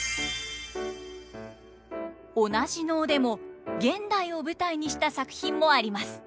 同じ能でも現代を舞台にした作品もあります。